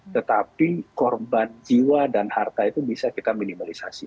tetapi korban jiwa dan harta itu bisa kita minimalisasi